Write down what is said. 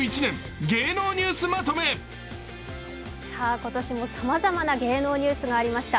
今年もさまざまな芸能ニュースがありました。